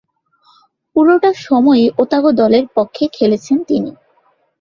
পুরোটা সময়ই ওতাগো দলের পক্ষে খেলেছেন তিনি।